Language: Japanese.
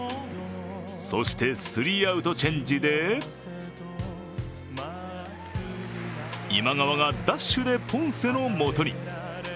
そして、スリーアウトチェンジで今川がダッシュでポンセのもとに。